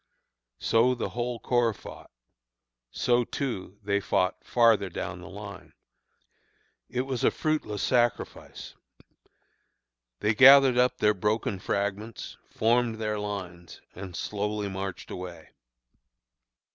So the whole corps fought; so, too, they fought farther down the line. "It was fruitless sacrifice. They gathered up their broken fragments, formed their lines, and slowly marched away.